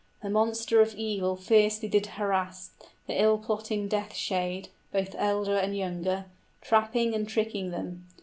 } 45 The monster of evil fiercely did harass, The ill planning death shade, both elder and younger, Trapping and tricking them.